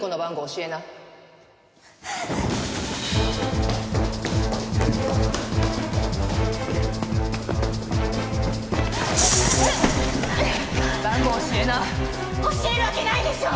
教えるわけないでしょ！